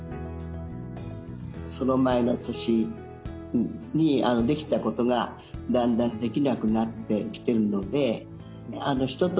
その前の年にできたことがだんだんできなくなってきてるので人と